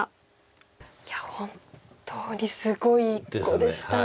いや本当にすごい碁でしたね。